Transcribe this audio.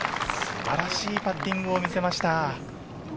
素晴らしいパッティングを見せました。